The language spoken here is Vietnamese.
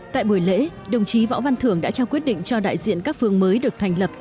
tại buổi lễ đồng chí võ văn thưởng đã trao quyết định cho đại diện các phương mới được thành lập